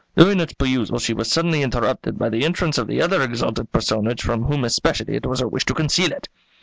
During its perusal she was suddenly interrupted by the entrance of the other exalted personage from whom especially it was her wish to conceal it.